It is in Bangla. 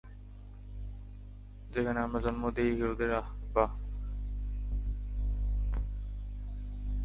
যেখানে আমরা জন্ম দেই হিরোদের, - আহ-হাহ।